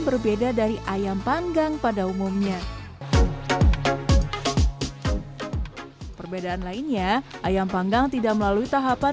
berbeda dari ayam panggang pada umumnya perbedaan lainnya ayam panggang tidak melalui tahapan